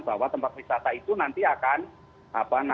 bahwa tempat wisata itu nanti akan